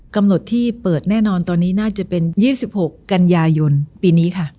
กำหนดที่เปิดแน่นอนตอนนี้น่าจะเป็น๒๖กันยายนปีนี้ค่ะ